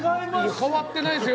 変わってないですよ！